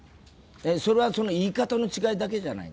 それは言い方の違いだけじゃないの？